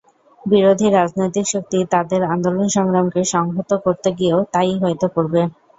বিরোধী রাজনৈতিক শক্তি তাদের আন্দোলন-সংগ্রামকে সংহত করতে গিয়েও তাই-ই হয়তো করবে।